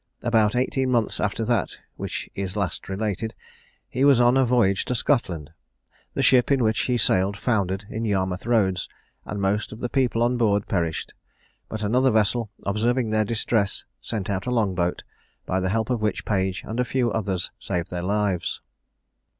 About eighteen months after that which is last related he was on a voyage to Scotland. The ship in which he sailed foundered in Yarmouth Roads, and most of the people on board perished; but another vessel, observing their distress, sent out a long boat, by the help of which Page and a few others saved their lives.